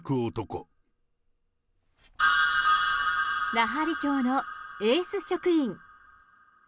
奈半利町のエース職員。